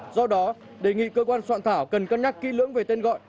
do đó đề nghị cơ quan soạn thảo cần cân nhắc kỹ lưỡng về tên gọi